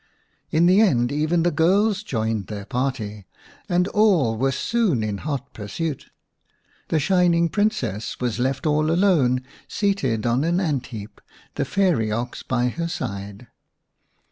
In the end even the girls joined their party, and all were soon in hot pursuit. The Shining Princess was left all alone seated on an ant heap, the fairy ox by her side.